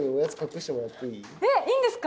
えっいいんですか？